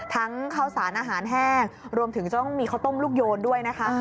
ทั้งข้าวสารอาหารแห้งรวมถึงจะต้องมีข้าวต้มลูกโยนด้วยนะคะ